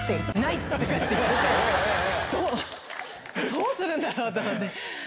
どうするんだろう？と思って。